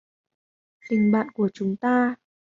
Tình bạn chúng ta